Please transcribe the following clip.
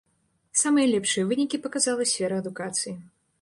Самыя лепшыя вынікі паказала сфера адукацыі.